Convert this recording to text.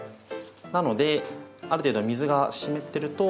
なのである程度水が湿ってると。